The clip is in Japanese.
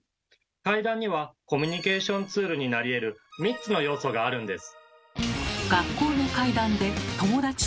怪談にはコミュニケーションツールになりえる３つの要素があるんです。